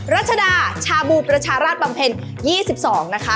รัชดาชาบูประชาราชบำเพ็ญ๒๒นะคะ